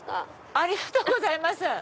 ありがとうございます。